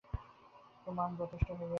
প্রমাণ যথেষ্ট হইয়াছে।